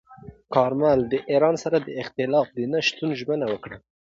کارمل د ایران سره د اختلاف د نه شتون ژمنه وکړه.